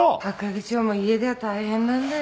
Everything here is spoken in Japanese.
係長も家では大変なんだよ。